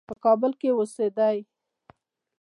په کابل کې اوسېدی.